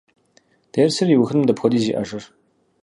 Дерсыр иухыным дапхуэдиз иӏэжыр?